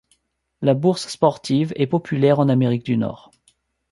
La bourse sportive est populaire en Amérique du Nord.